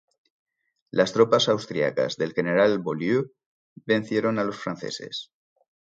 Las tropas austríacas del general Beaulieu vencieron a los franceses.